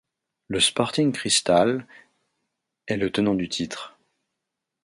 Le Sporting Cristal est le tenant du titre.